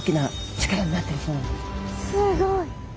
すごい。